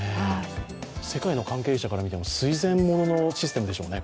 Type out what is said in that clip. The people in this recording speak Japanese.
世界の関係者からしても垂ぜんもののシステムでしょうね。